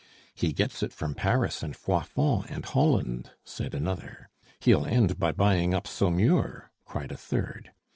"He gets it from Paris and Froidfond and Holland," said another. "He'll end by buying up Saumur," cried a third.